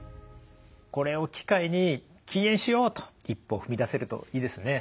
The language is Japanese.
これを機会に禁煙しよう！と一歩踏み出せるといいですね。